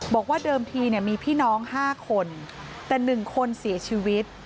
บอกว่าเดิมทีมีพี่น้อง๕คนแต่๑คนเสียชีวิต